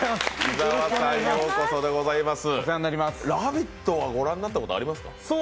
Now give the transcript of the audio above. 「ラヴィット！」は御覧になったことありますか。